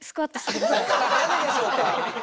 なぜでしょうか？